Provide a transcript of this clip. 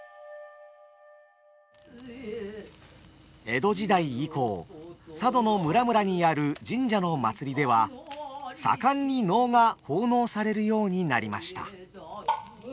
江戸時代以降佐渡の村々にある神社の祭りでは盛んに能が奉納されるようになりました。